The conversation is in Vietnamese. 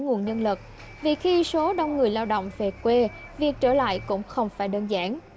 nguồn nhân lực vì khi số đông người lao động về quê việc trở lại cũng không phải đơn giản